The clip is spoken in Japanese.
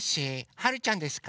はるちゃんですか？